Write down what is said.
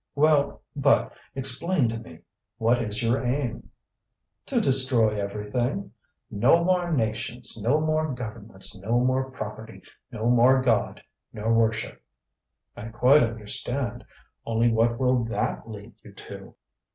"Well, but explain to me. What is your aim?" "To destroy everything. No more nations, no more governments, no more property, no more God nor worship." "I quite understand. Only what will that lead you to?"